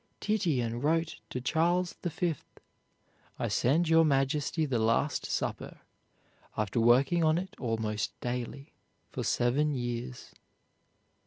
Titian wrote to Charles V.: "I send your majesty the Last Supper, after working on it almost daily for seven years."